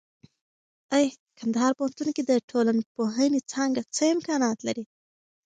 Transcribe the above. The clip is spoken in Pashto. اې کندهار پوهنتون کې د ټولنپوهنې څانګه څه امکانات لري؟